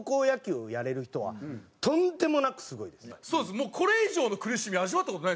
もうこれ以上の苦しみは味わった事ないです